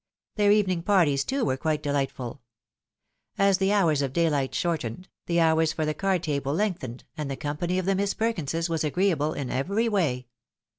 Their evening parties, too, were quite dehghtful. As the hours of daylight shortened, the hours for the card table lengthened, and the company of the Miss Perkinses was agree able in every way.